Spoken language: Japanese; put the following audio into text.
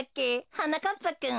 はなかっぱくん。